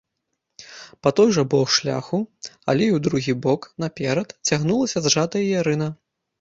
Па той жа бок шляху, але ў другі бок, наперад, цягнулася зжатая ярына.